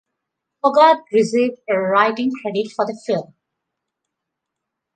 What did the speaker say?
Hogarth received a writing credit for the film.